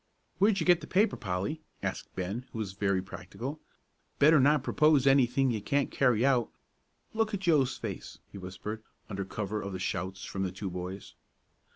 "Where'd you get the paper, Polly?" asked Ben, who was very practical. "Better not propose anything you can't carry out. Look at Joe's face," he whispered, under cover of the shouts from the two boys.